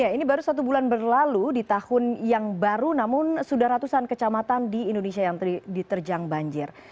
ini baru satu bulan berlalu di tahun yang baru namun sudah ratusan kecamatan di indonesia yang diterjang banjir